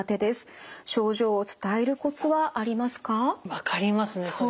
分かりますねそれは。